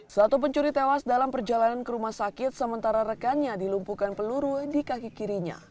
satu pencuri tewas dalam perjalanan ke rumah sakit sementara rekannya dilumpuhkan peluru di kaki kirinya